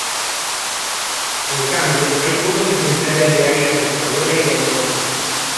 En cambio, hay pocos ejemplares de águila pescadora y de alimoche.